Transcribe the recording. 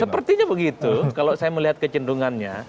sepertinya begitu kalau saya melihat kecenderungannya